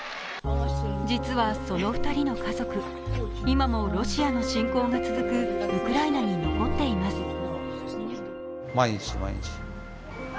実はその２人の家族、今もロシアの侵攻が続くウクライナに残っています。